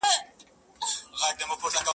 هغه دي دا ځل پښو ته پروت دی، پر ملا خم نه دی.